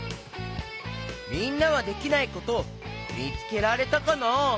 みんなはできないことみつけられたかな？